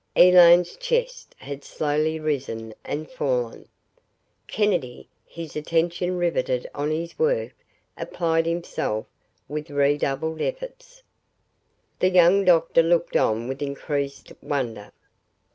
Elaine's chest had slowly risen and fallen. Kennedy, his attention riveted on his work, applied himself with redoubled efforts. The young doctor looked on with increased wonder.